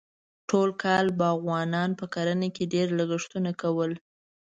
ټول کال باغوانانو په کرنه کې ډېر لګښتونه کول.